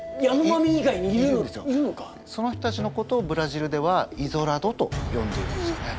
その人たちのことをブラジルではイゾラドとよんでいるんですよね。